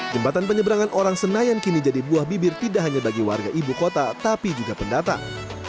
jembatan penyeberangan orang senayan kini jadi buah bibir tidak hanya bagi warga ibu kota tapi juga pendatang